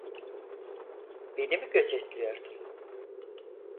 Beni mi gözetliyordun?